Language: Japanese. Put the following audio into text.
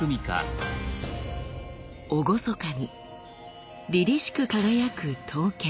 厳かにりりしく輝く刀剣。